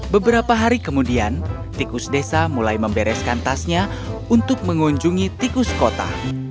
beberapa hari kemudian tikus desa mulai membereskan tasnya untuk mengunjungi tikus kota